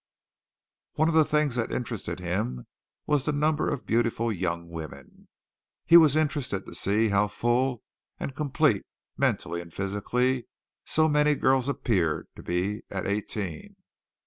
One of the things that interested him was the number of beautiful young women. He was interested to see how full and complete mentally and physically so many girls appeared to be at eighteen.